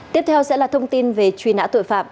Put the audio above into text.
tiếp theo sẽ là thông tin về truy nã tội phạm